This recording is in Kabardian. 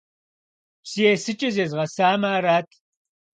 Псы есыкӏэ зезгъэсамэ арат!